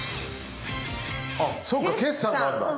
あそっか決算があるんだ。